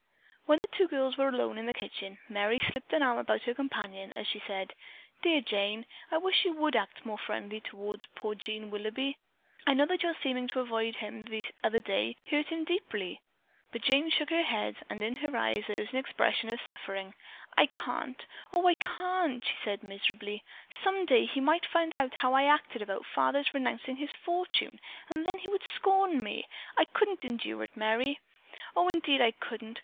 When the two girls were alone in the kitchen, Merry slipped an arm about her companion as she said, "Dear Jane, I wish you would act more friendly toward poor Jean Willoughby. I know that your seeming to avoid him the other day, hurt him deeply." But Jane shook her head and in her eyes there was an expression of suffering. "I can't! Oh, I can't!" she said miserably. "Some day he might find out how I had acted about father's renouncing his fortune, and then he would scorn me! I couldn't endure it, Merry. Oh, indeed, I couldn't!